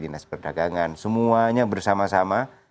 dinas perdagangan semuanya bersama sama